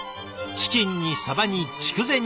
チキンにさばに筑前煮。